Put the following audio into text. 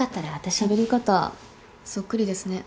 しゃべり方そっくりですね。